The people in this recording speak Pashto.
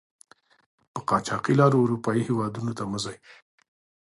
په قاچاقي لارو آروپایي هېودونو ته مه ځئ!